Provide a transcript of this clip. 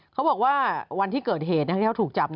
เขาบอกว่าวันที่เกิดเหตุที่เขาถูกจับ